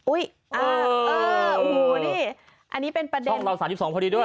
อุ้ยอันนี้เป็นประเด็นช่องเราสามสิบสองพอดีด้วย